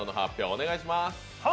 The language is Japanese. お願いします。